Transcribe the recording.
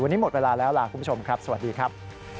วันนี้หมดเวลาแล้วลาคุณผู้ชมครับสวัสดีครับ